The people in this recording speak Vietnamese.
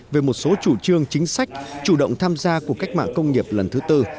về một số chủ trương chính sách chủ động tham gia của cách mạng công nghiệp lần thứ tư